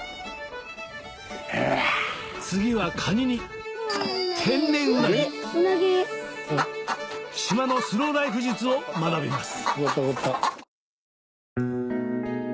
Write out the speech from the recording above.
次はカニに天然うなぎ島のスローライフ術を学びます